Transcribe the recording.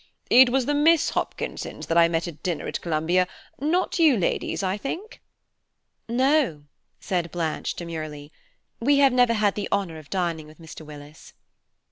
It was the Miss Hopkinsons that I met at dinner at Columbia, not you ladies, I think?" "No," said Blanche, demurely, "we have never had the honour of dining with Mr. Willis."